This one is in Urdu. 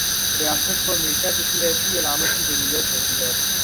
ریاست کو ہمیشہ کسی ایسی علامت کی ضرورت ہوتی ہے۔